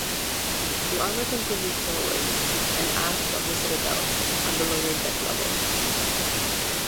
The armour continued forward and aft of the citadel at the lower-deck level.